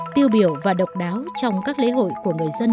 tiêu biểu và độc đáo trong các lễ hội của người dân